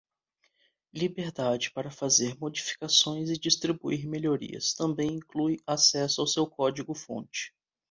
Liberdade para fazer modificações e distribuir melhorias; Também inclui acesso ao seu código-fonte.